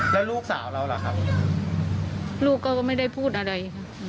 แล้วลูกสาวเราล่ะครับลูกก็ไม่ได้พูดอะไร